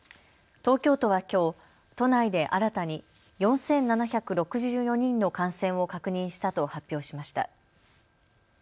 東京都はきょう都内で新たに４７６４人の感染を確認したと発表しました。